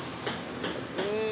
うん！